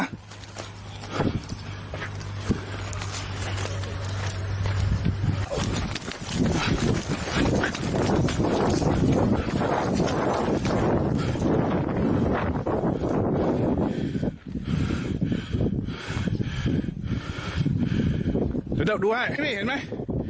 เดี๋ยวเดี๋ยวดูให้นี่นี่เห็นไหม